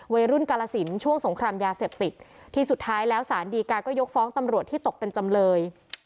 กาลสินช่วงสงครามยาเสพติดที่สุดท้ายแล้วสารดีกาก็ยกฟ้องตำรวจที่ตกเป็นจำเลย